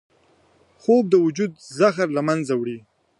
خوب د وجود زهر له منځه وړي